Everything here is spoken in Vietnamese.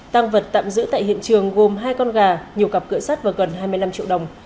tăng vật tạm giữ tại hiện trường gồm hai con gà nhiều cặp cửa sắt và gần hai mươi năm triệu đồng